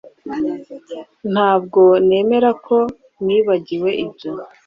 Ntabwo nemera ko nibagiwe ibyo